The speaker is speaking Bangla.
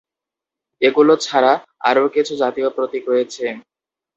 এগুলো ছাড়া আরও কিছু জাতীয় প্রতীক রয়েছে।